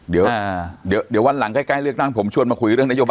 เดี๋ยววันหลังใกล้เลือกตั้งผมชวนมาคุยเรื่องนโยบาย